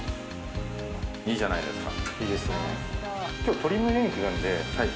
いいじゃないですか。